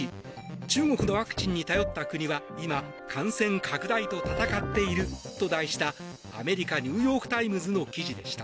中国のワクチンに頼った国は今、感染拡大と闘っていると題したアメリカ、ニューヨーク・タイムズの記事でした。